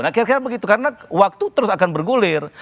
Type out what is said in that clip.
nah kira kira begitu karena waktu terus akan bergulir